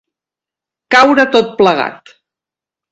Caure tot plegat.